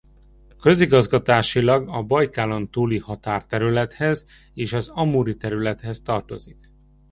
Közigazgatásilag a Bajkálontúli határterülethez és az Amuri területhez tartozik.